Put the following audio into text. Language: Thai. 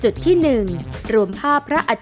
จุดที่๓รวมภาพธนบัตรที่๙